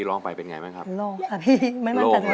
เรียนตาม